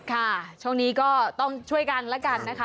ค่ะช่วงนี้ก็ต้องช่วยกันแล้วกันนะคะ